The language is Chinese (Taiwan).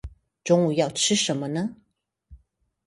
中午要吃甚麼呢？